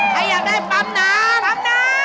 ถาอยากได้ปั๊มน้ำ